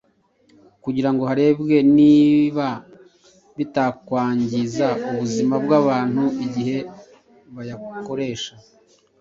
kugirango harebwe niba bitakwangiza ubuzima bw’abantu igihe bayakoresha.